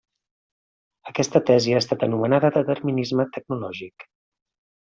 Aquesta tesi ha estat anomenada determinisme tecnològic.